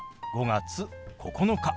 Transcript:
５月９日。